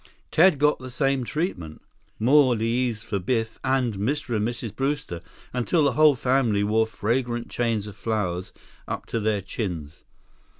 Ted got the same treatment. More leis for Biff and Mr. and Mrs. Brewster, until the whole family wore fragrant chains of flowers up to their chins.